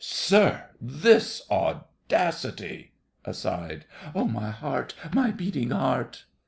Sir, this audacity! (Aside.) Oh, my heart, my beating heart!